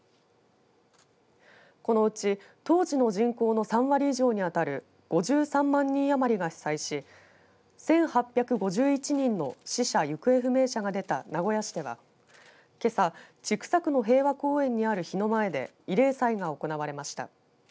このうち当時の人口の３割以上に当たる５３万人余りが被災し１８５１人の死者行方不明者が出た名古屋市ではけさ、千種区の平和公園にある碑の前で慰霊祭が行われました。